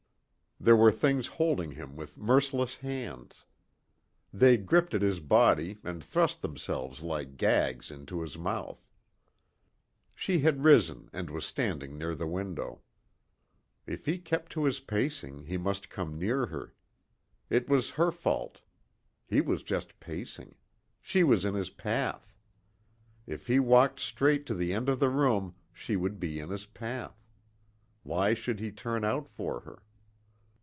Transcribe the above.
There were things holding him with merciless hands. They gripped at his body and thrust themselves like gags into his mouth. She had risen and was standing near the window. If he kept to his pacing he must come near her. It was her fault. He was just pacing. She was in his path. If he walked straight to the end of the room she would be in his path. Why should he turn out for her?